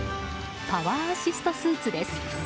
パワーアシストスーツです。